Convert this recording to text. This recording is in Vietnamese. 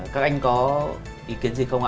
các anh có ý kiến gì không ạ